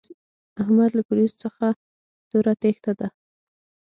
احمد له پوليسو څخه توره تېښته ده.